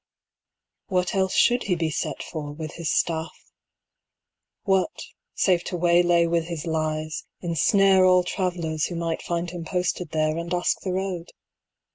What else should he be set for, with his staff? What, save to waylay with his lies, ensnare All travelers who might find him posted there, And ask the road?